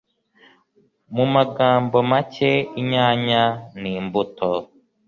Mu magambo make, inyanya ni imbuto.